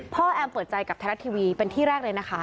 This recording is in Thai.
แอมเปิดใจกับไทยรัฐทีวีเป็นที่แรกเลยนะคะ